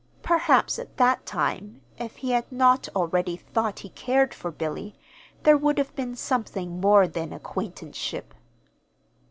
Perhaps, at that time, if he had not already thought he cared for Billy, there would have been something more than acquaintanceship.